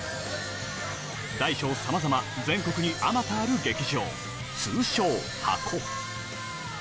大小さまざま、全国にあまたある劇場、通称、ハコ。